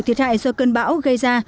thiệt hại do cơn bão gây ra